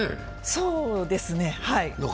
そうですね。